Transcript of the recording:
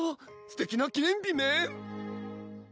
すてきな記念日メン！